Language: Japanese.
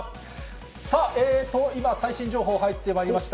さあ、今、最新情報、入ってまいりました。